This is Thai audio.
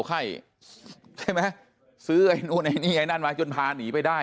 ไข้ใช่ไหมซื้อไอ้นู่นไอ้นี่ไอ้นั่นมาจนพาหนีไปได้